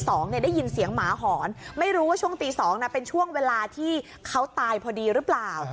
ได้ยินเสียงหมาหอนไม่รู้ว่าช่วงตี๒เป็นช่วงเวลาที่เขาตายพอดีหรือเปล่า